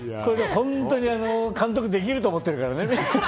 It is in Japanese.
本当に監督できると思ってるからね。